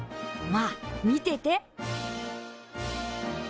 まあ見てて。